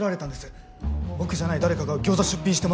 僕じゃない誰かが餃子出品してますよこれ。